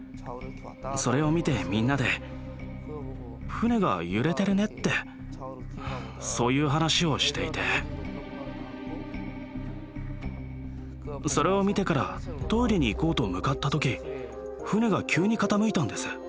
それを見てみんなで「船が揺れてるね」ってそういう話をしていてそれを見てからトイレに行こうと向かった時船が急に傾いたんです。